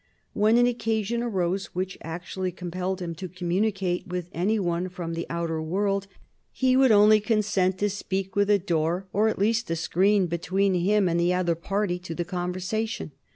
When an occasion arose which actually compelled him to communicate with any one from the outer world, he would only consent to speak with a door, or at least a screen, between him and the other party to the conversation.